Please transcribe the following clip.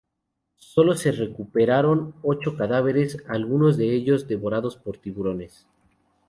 Solo se recuperaron ocho cadáveres, algunos de ellos devorados por tiburones.